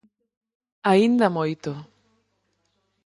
Aínda moito.